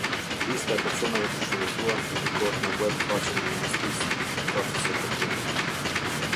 Lista e personave të shënjestruar publikohet në ueb faqen e Ministrisë përkatëse të punëve.